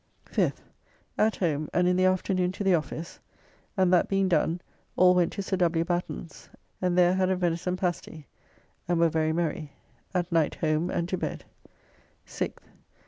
5th. At home, and in the afternoon to the office, and that being done all went to Sir W. Batten's and there had a venison pasty, and were very merry. At night home and to bed. 6th.